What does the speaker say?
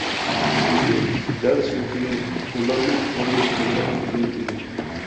چۈنكى دەل شۇ كۈنى ئۇلارنىڭ تويى بولىدىغان كۈن ئىدى.